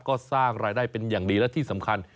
ก็สร้างรายได้เป็นอย่างดีและที่สำคัญ